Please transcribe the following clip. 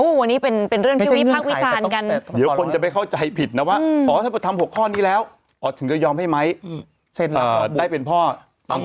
วันนี้เป็นเรื่องพี่วิภักดิ์วิสานกัน